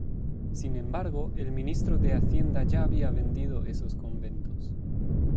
Sin embargo, el ministro de Hacienda ya había vendido esos conventos.